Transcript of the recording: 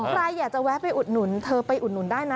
ใครอยากจะแวะไปอุดหนุนเธอไปอุดหนุนได้นะ